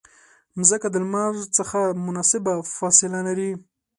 مځکه د لمر څخه مناسبه فاصله لري.